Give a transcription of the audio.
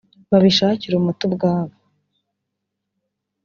babishakire umuti ubwabo